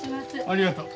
ありがとう。